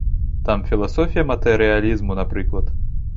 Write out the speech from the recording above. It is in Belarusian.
Там філасофія матэрыялізму, напрыклад.